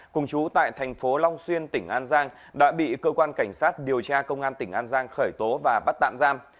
cùng chú tại thành phố long xuyên tỉnh an giang đã bị cơ quan cảnh sát điều tra công an tỉnh an giang khởi tố và bắt tạm giam